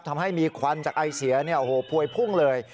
ทำให้มีควันจากไอเสียพวยพุ่งเลย